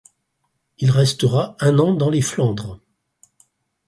Il restera un an dans les Flandres.